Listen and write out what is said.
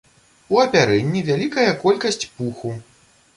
У апярэнні вялікая колькасць пуху.